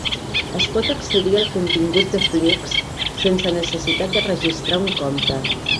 Es pot accedir al contingut de Flickr sense necessitat de registrar un compte.